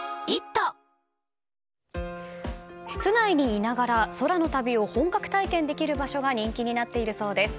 室内にいながら空の旅を本格体験できる場所が人気になっているそうです。